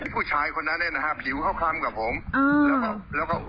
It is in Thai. ผู้ชายคนนั้นเนี่ยนะฮะผิวเข้าข้ามกับผมอืมแล้วก็